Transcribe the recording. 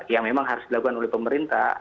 yang memang harus dilakukan oleh pemerintah